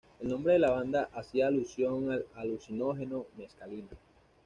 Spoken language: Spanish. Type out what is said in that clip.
El nombre de la banda hacía alusión al alucinógeno mescalina.